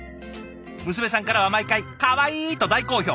娘さんからは毎回「かわいい！」と大好評。